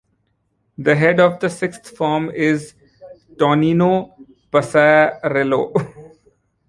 The head of the Sixth Form is Tonino Passarello.